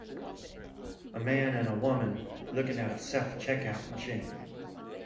A man and a woman looking at a self check out machine.